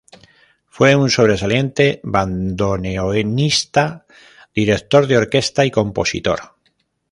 Fue un sobresaliente bandoneonista, director de orquesta y compositor.